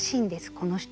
この人は。